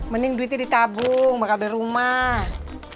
mending duitnya ditabung bakal beli rumah